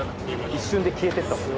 一瞬で消えていったもん。